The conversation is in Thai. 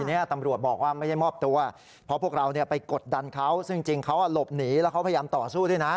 อันนี้ตำรวจบอกว่าไม่ได้มอบตัวเพราะพวกเราไปกดดันเขาซึ่งจริงเขาหลบหนีแล้วเขาพยายามต่อสู้ด้วยนะ